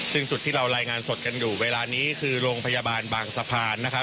คือจุดที่เราลายงานสดกันอยู่เวลานี้คือโรงพยาบาลบางสะพาน